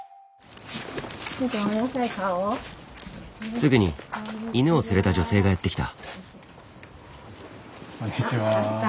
すぐに犬を連れた女性がやって来た。